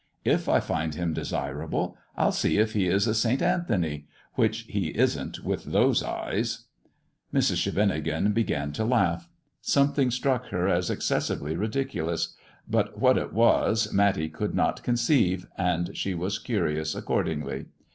If I find him desirable, I'll MISS JONATHAN 171 see if he is a Saint Anthony, which he isn't with those eyes !" Mrs. Scheveningen began to laugh. Something struck her as excessively ridiculous ; but what it was Matty could not conceive, and she was curious accordingly.